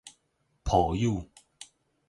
抱有